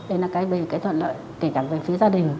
đây là cái tuận lợi kể cả về phía gia đình